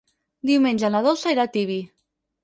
Diumenge na Dolça irà a Tibi.